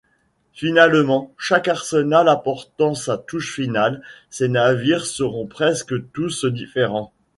Finalement, chaque arsenal apportant sa touche finale, ces navires seront presque tous différents.